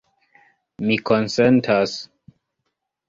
Mi konsentas.